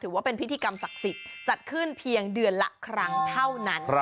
ว่าเป็นพิธีกรรมศักดิ์สิทธิ์จัดขึ้นเพียงเดือนละครั้งเท่านั้น